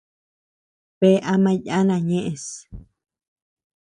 Bea ama yana ñeʼes.